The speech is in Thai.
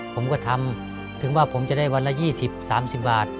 ผมก็ทำถึงว่าผมจะได้วันละ๒๐๓๐บาท